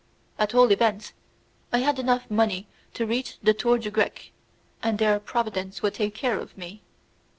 At all events, I had enough money to reach the Tour du Grec, and there Providence would take care of me.